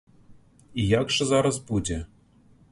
І як жа зараз будзе?